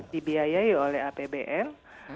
dibiayai oleh apbn